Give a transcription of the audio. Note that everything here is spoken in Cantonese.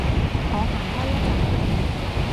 我行開一陣